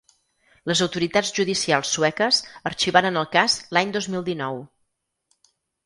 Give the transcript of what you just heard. Les autoritats judicials sueques arxivaren el cas l’any dos mil dinou.